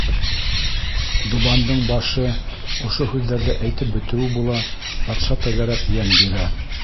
Дубандың башы ошо һүҙҙәрҙе әйтеп бөтөүе була, батша тәгәрәп йән бирә.